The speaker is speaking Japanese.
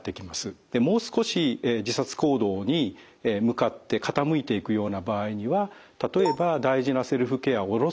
もう少し自殺行動に向かって傾いていくような場合には例えば大事なセルフケアをおろそかにする。